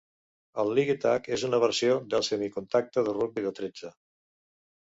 El League tag és una versió de semi-contacte del rugbi de tretze.